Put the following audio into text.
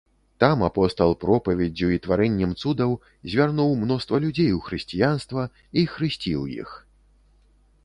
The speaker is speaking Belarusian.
Там апостал пропаведдзю і тварэннем цудаў звярнуў мноства людзей у хрысціянства і хрысціў іх.